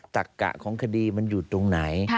ตักกะของคดีมันอยู่ตรงไหน